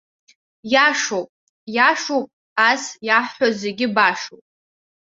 Иашоуп, иашоуп, ас иаҳҳәо зегьы башоуп.